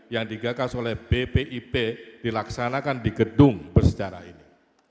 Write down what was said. yang digagas oleh bpip dilaksanakan di gedung bersejarah ini